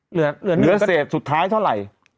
เหลือเนื้อเศษสุดท้ายเท่าไหร่